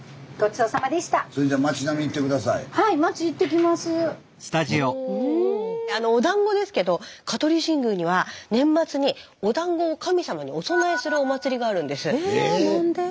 それじゃあのおだんごですけど香取神宮には年末におだんごを神様にお供えするお祭りがあるんです。